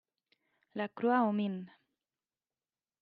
La Croix-aux-Mines